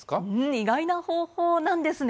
意外な方法なんですね。